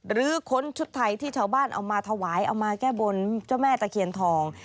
หรือค้นชุดไทยที่ชาวบ้านเอามาถวายเอามาแก้บนเจ้าแม่ตะเคียนทอง